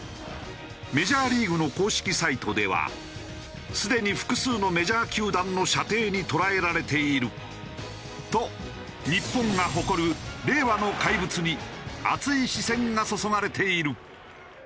メジャーリーグの公式サイトでは「すでに複数のメジャー球団の射程に捉えられている」。と日本が誇る令和の怪物に熱い視線が注がれている。